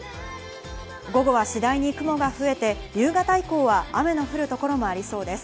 午後は次第に雲が増えて夕方以降は雨の降る所もありそうです。